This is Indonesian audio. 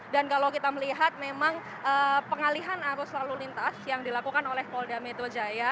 dan kalau kita melihat memang pengalihan arus lalu lintas yang dilakukan oleh polda metro jaya